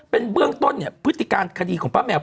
เป็นเบื้องต้นเนี่ยพฤติการคดีของป้าแมว